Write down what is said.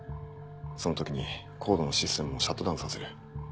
その時にＣＯＤＥのシステムをシャットダウンさせる。